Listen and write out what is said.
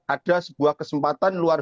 ada sebuah kesempatan luar